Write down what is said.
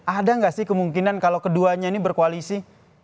ada nggak sih kemungkinan kalau keduanya ini berkoalisi